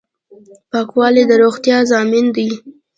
پاکوالی د روغتیا ضامن دی.